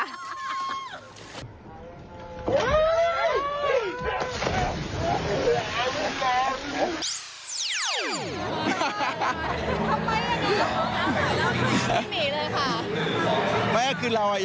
ทำไมละนี่